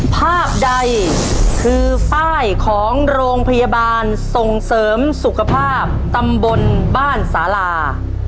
ภาพใดคือป้ายของโรงพยาบาลส่งเสริมสุขภาพตำบลบ้านสาลา